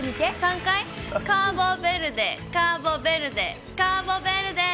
カーボベルデ、カーボベルデ、カーボベルデ。